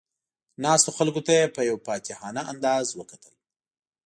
ناستو خلکو ته یې په یو فاتحانه انداز وکتل.